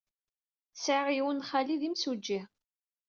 Sɛiɣ yiwen n xali d imsujji.